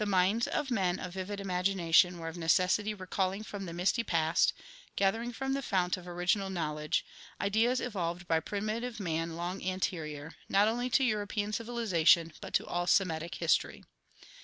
INTRODUCTION Ixvii minds of men of vivid imagination were of necessity recalling from the misty past gathering from the fount of original knowledge ideas evolved by primitive man long anterior, not only to European civilization, but to all Semitic history.